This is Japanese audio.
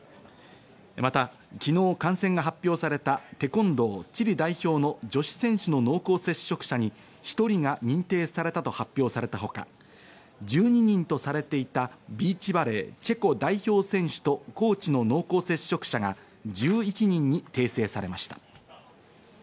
また昨日感染が発表されたテコンドー、チリ代表の女子選手の濃厚接触者に１人が認定されたと発表されたほか、１２人とされていたビーチバレー、チェコ代表選手とコーチの濃厚接触者が１１人に訂正されました。